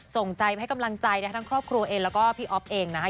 ส่งใจไปให้กำลังใจนะคะทั้งครอบครัวเองแล้วก็พี่อ๊อฟเองนะคะ